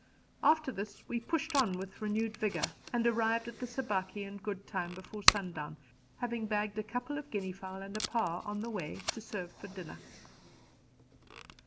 After this we pushed on with renewed vigour, and arrived at the Sabaki in good time before sundown, having bagged a couple of guinea fowl and a paa on the way to serve for dinner.